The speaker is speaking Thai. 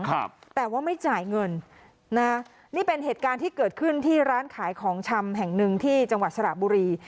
ครับแต่ว่าไม่จ่ายเงินนะนี่เป็นเหตุการณ์ที่เกิดขึ้นที่ร้านขายของชำแห่งหนึ่งที่จังหวัดสระบุรี